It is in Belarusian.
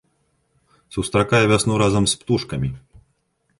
Сустракай вясну разам з птушкамі!